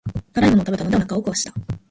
辛いものを食べたのでお腹を壊した。